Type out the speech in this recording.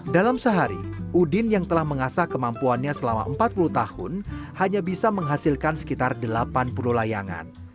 dalam sehari udin yang telah mengasah kemampuannya selama empat puluh tahun hanya bisa menghasilkan sekitar delapan puluh layangan